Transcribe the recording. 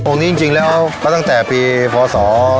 องค์นี้จริงแล้วก็ตั้งแต่ปีฟศ๒๕๕๒